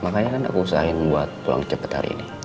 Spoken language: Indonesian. makanya kan aku usahain buat pulang cepat hari ini